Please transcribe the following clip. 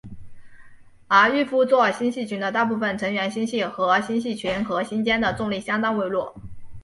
而玉夫座星系群的大部分成员星系和星系群核心间的重力相当微弱。